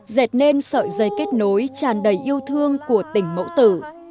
dệt nên sợi dây kết nối tràn đầy yêu thương của tỉnh mẫu tử